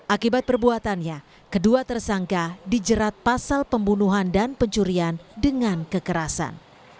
akibat perbuatannya kedua tersangka dijerat pasal pembunuhan dan pencurian dengan kekerasan